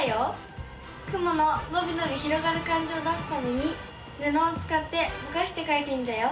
雲ののびのび広がる感じを出すためにぬのをつかってぼかしてかいてみたよ。